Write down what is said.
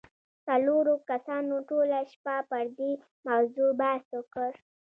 څلورو کسانو ټوله شپه پر دې موضوع بحث وکړ